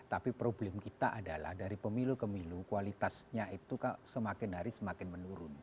tapi problem kita adalah dari pemilu ke milu kualitasnya itu semakin hari semakin menurun